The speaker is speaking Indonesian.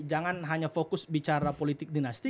jangan hanya fokus bicara politik dinasti